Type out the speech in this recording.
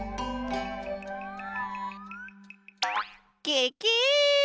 ケケ！